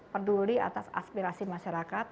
peduli atas aspirasi masyarakat